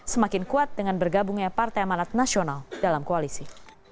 semakin kuat dengan bergabungnya partai amanat nasional dalam koalisi